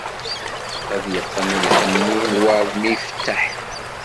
Ad yeqqen lḥenni, lwerd mi ifetteḥ.